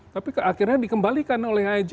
tapi akhirnya dikembalikan oleh ig